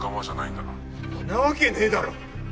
んなわけねえだろ！